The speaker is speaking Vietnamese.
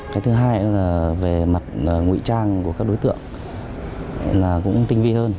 cái thứ hai là về mặt ngụy trang của các đối tượng là cũng tinh vi hơn